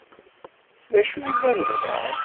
D acu ay llan bɣan?